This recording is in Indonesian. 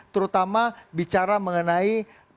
terutama bicara mengenai